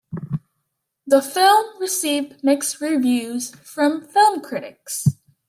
The film received mixed reviews from film critics.